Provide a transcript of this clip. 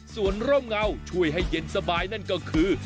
ส่วนร่มเงาช่วยให้เย็นสบายนั่นก็คือ